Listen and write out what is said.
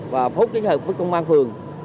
và phúc cái hợp với công an phường